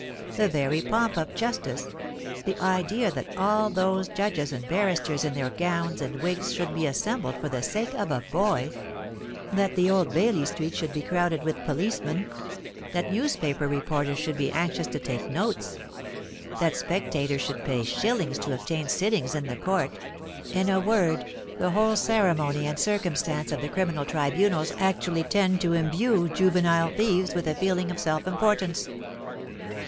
The very pomp of justice,—the idea that all those judges and barristers in their gowns and wigs should be assembled for the sake of a boy,—that the Old Bailey street should be crowded with policemen,—that newspaper reporters should be anxious to take notes,—that spectators should pay shillings to obtain sittings in the court,—in a word, the whole ceremony and circumstance of the criminal tribunals actually tend to imbue juvenile thieves with a feeling of self importance.